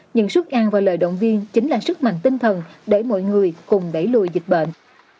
những suất ăn và lời động viên chính là sức mạnh tinh thần để mọi người cùng đẩy lùi dịch bệnh